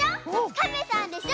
かめさんでしょ